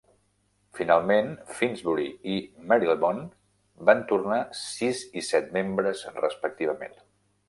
Finalment, Finsbury i Marylebone van tornar sis i set membres respectivament.